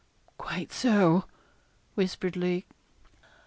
'Quite so,' whispered Lake.